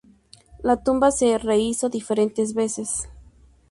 La tumba se rehízo diferentes veces.